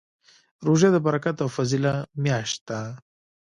روژه د برکت او فضیله میاشت ده